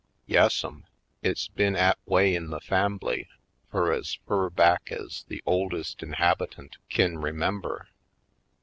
Yassum, it's been 'at way in the famby fur ez fur back ez the oldest inhabitant kin remem ber.